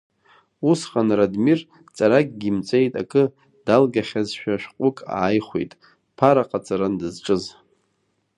Усҟан Радмир, ҵаракгьы имҵеит, акы далгахьазшәа шәҟәык ааихәеит, ԥара ҟаҵаран дызҿыз.